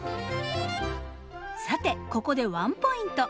さてここでワンポイント。